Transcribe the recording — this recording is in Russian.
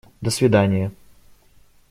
До свиданья!